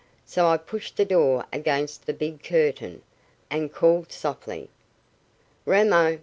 So I pushed the door against the big curtain, and called softly, `Ramo!